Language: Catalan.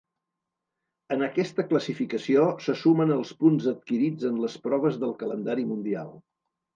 En aquesta classificació se sumen els punts adquirits en les proves del Calendari mundial.